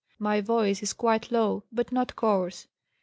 My voice is quite low but not coarse.